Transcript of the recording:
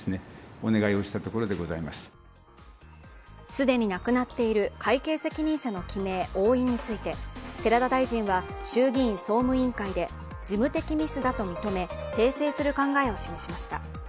既に亡くなっている会計責任者の記名、押印について寺田大臣は、衆議院総務委員会で事務的ミスだと認め訂正する考えを示しました。